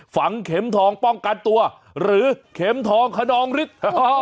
ฝังเข็มทองป้องกันตัวหรือเข็มทองขนองฤทธิ์